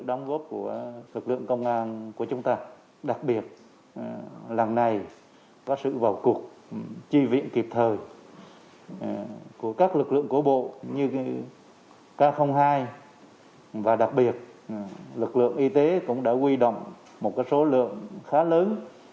đặc biệt lực lượng y tế cũng đã quy đồng một số lượng khá lớn